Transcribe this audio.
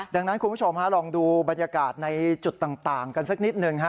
ดังนั้นคุณผู้ชมฮะลองดูบรรยากาศในจุดต่างกันสักนิดหนึ่งฮะ